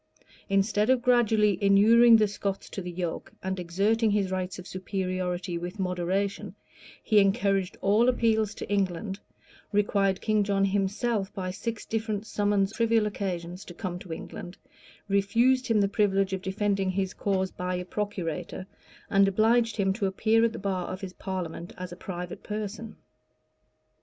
Instead of gradually inuring the Scots to the yoke, and exerting his rights of superiority with moderation, he encouraged all appeals to England; required King John himself, by six different summons on trivial occasions, to come to London;[] refused him the privilege of defending his cause by a procurator; and obliged him to appear at the bar of his parliament as a private person.